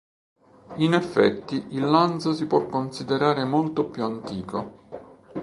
In effetti il Lanzo si può considerare molto più antico.